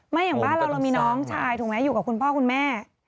อย่างบ้านเราเรามีน้องชายถูกไหมอยู่กับคุณพ่อคุณแม่